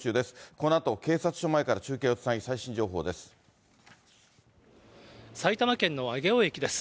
このあと警察署前から中継をつなぎ、埼玉県の上尾駅です。